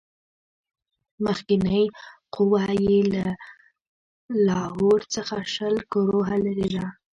مخکنۍ قوه یې له لاهور څخه شل کروهه لیري ده.